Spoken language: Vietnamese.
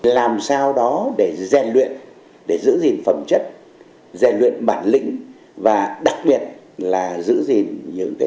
làm sao đó để rèn luyện để giữ gìn phẩm chất rèn luyện bản lĩnh và đặc biệt là giữ gìn những cái